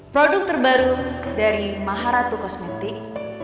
produk terbaru dari maharatu kosmetik